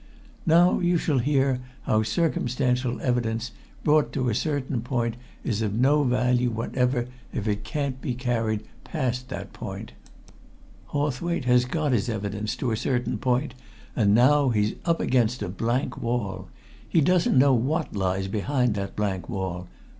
Now you shall hear how circumstantial evidence, brought to a certain point, is of no value whatever if it can't be carried past that point. Hawthwaite has got his evidence to a certain point and now he's up against a blank wall. He doesn't know what lies behind that blank wall.